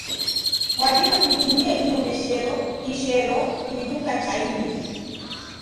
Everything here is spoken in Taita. Kwadima kuitumia iomeshero ishelo kuidunga chainyi.